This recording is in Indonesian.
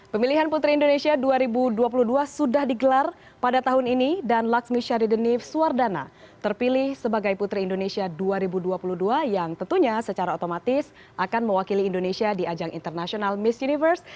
pemilihan putri indonesia dua ribu dua puluh dua sudah digelar pada tahun ini dan laksmi shari denif suwardana terpilih sebagai putri indonesia dua ribu dua puluh dua yang tentunya secara otomatis akan mewakili indonesia di ajang international miss universe